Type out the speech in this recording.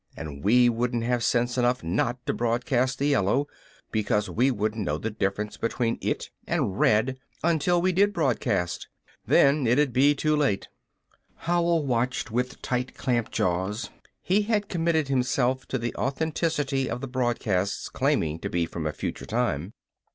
And we wouldn't have sense enough not to broadcast the yellow, because we wouldn't know the difference between it and red until we did broadcast. Then it'd be too late." Howell watched with tight clamped jaws. He had committed himself to the authenticity of the broadcasts claiming to be from a future time.